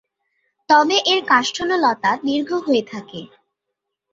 তবে এর কাষ্ঠল লতা দীর্ঘ হয়ে থাকে।